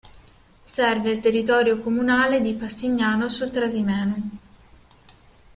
Serve il territorio comunale di Passignano sul Trasimeno.